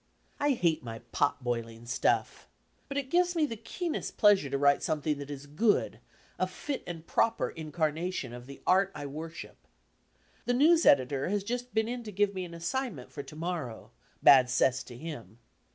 I hate my "pot boiling" stuff. But it gives me the keen est pleasure to write something that is good , a fit and proper incarnation of the art I worship. The news editor has just been in to give me an assignment for to morrow, bad 'cess to him.